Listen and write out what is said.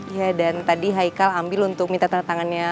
ya dan tadi haikal ambil untuk minta tandatangannya